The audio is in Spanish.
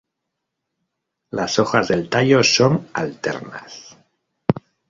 Las hojas del tallo son alternas.